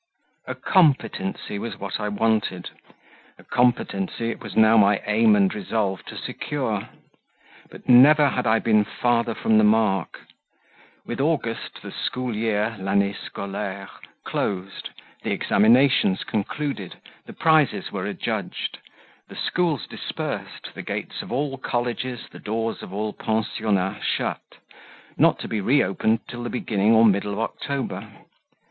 A COMPETENCY was what I wanted; a competency it was now my aim and resolve to secure; but never had I been farther from the mark. With August the school year (l'annee scolaire) closed, the examinations concluded, the prizes were adjudged, the schools dispersed, the gates of all colleges, the doors of all pensionnats shut, not to be reopened till the beginning or middle of October.